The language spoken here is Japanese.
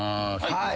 はい。